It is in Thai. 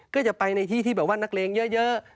ก็จะไปในที่ที่แบบว่านักเลงเยอะ